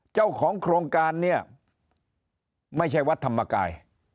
เจ้าของโครงการเนี่ยไม่ใช่วัดธรรมกาย